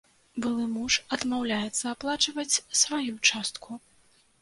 Былы муж адмаўляецца аплачваць сваю частку.